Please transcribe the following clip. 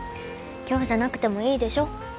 今日じゃなくてもいいでしょ